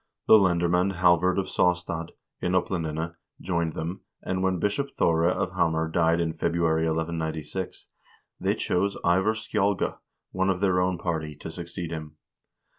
The lender mand Halvard of Saastad, in Oplandene, joined them, and when Bishop Thore of Hamar died in February, 1197, they chose Ivar Skjaalge, one of their own party, to succeed him.